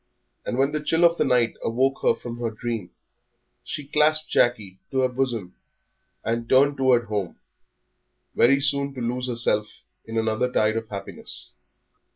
And when the chill of night awoke her from her dream she clasped Jackie to her bosom and turned towards home, very soon to lose herself again in another tide of happiness.